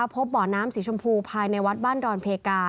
พบบ่อน้ำสีชมพูภายในวัดบ้านดอนเพกา